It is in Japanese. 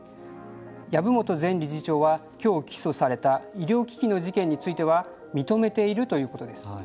籔本前理事長はきょう起訴された医療機器の事件については認めているということです。